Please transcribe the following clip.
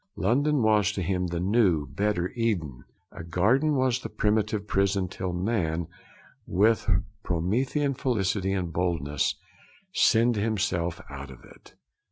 London was to him the new, better Eden. 'A garden was the primitive prison till man with Promethean felicity and boldness sinned himself out of it.